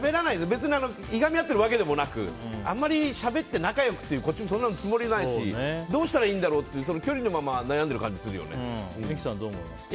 別にいがみ合ってるわけでもなくあんまりしゃべって仲良くっていうこっちもそんなつもりないしどうしたらいいんだろうっていう距離のまま三木さん、どう思いますか。